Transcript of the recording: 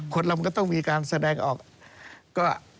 คนละมันก็ต้องมีการแสดงออก